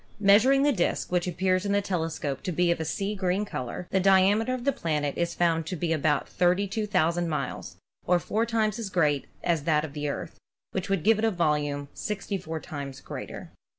Measuring the disc, which appears in the telescope to be of a sea green color, the diameter of the planet is found to be about 32,000 miles, or four times as great as that of the Earth, which would give it a volume 64 times greater.